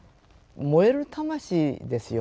燃える魂ですよ。